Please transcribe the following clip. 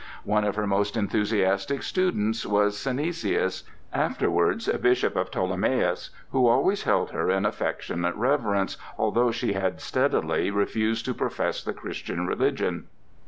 One of her most enthusiastic students was Synesius, afterwards Bishop of Ptolemais, who always held her in affectionate reverence, although she had steadily refused to profess the Christian religion.